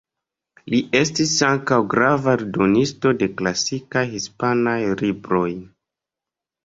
Li estis ankaŭ grava eldonisto de klasikaj hispanaj libroj.